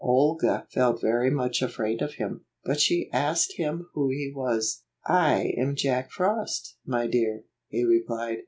Olga felt very much afraid of him, but she asked him who he was. "I am Jack Frost, my dear," he replied.